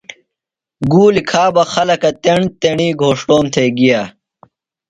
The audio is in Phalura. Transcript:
گُولی کھا بہ خلکہ تیݨ تیݨی گھوݜٹوم تھےۡ گیہ۔